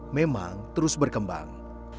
memang terus berkembang